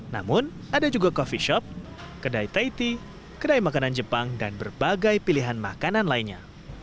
namun ada juga coffee shop kedai taiti kedai makanan jepang dan berbagai pilihan makanan lainnya